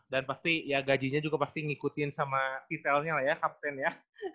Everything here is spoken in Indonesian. dan pasti gajinya juga ngikutin sama titelnya lah ya